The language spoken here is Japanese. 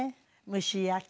蒸し焼き。